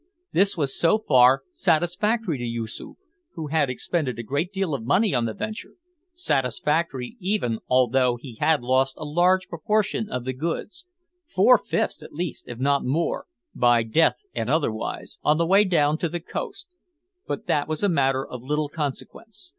This was so far satisfactory to Yoosoof, who had expended a good deal of money on the venture satisfactory, even although he had lost a large proportion of the goods four fifths at least if not more, by death and otherwise, on the way down to the coast; but that was a matter of little consequence.